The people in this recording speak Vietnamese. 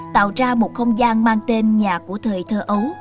tạo ra một không gian mang tên nhà của thời thơ ấu